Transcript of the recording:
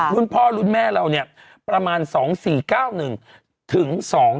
รุ่นพ่อรุ่นแม่เราเนี่ยประมาณ๒๔๙๑ถึง๒๕๖